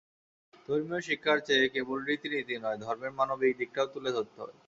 ধর্মীয় শিক্ষার ক্ষেত্রে কেবল রীতিনীতি নয়, ধর্মের মানবিক দিকটাও তুলে ধরতে হবে।